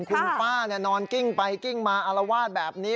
คุณป้านอนกิ้งไปกิ้งมาอารวาสแบบนี้